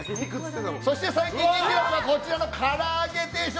そして最近人気なのが唐揚げ定食。